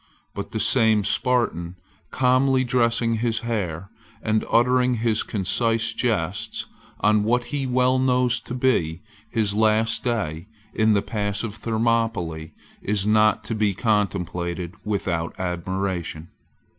But the same Spartan, calmly dressing his hair, and uttering his concise jests, on what he well knows to be his last day, in the pass of Thermopylae, is not to be contemplated without admiration.